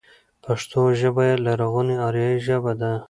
پښتو يوه لرغونې آريايي ژبه ده.